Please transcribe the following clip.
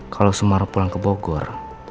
kalau semarang pulang ke bogor